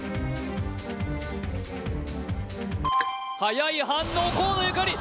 はやい反応河野ゆかり